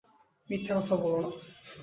মিথ্যা কথা বলো না।